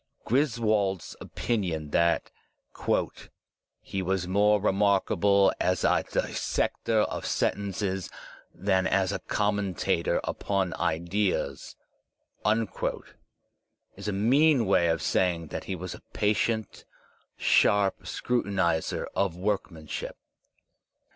Griswold's opinion that ''he was more remarkable as a dissector of sentences than as a conunenter upon ideas,*' is a mean way of saying that he was a patient, sharp scrutinizer of workmanship.